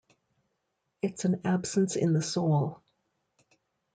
It's an absence in the soul.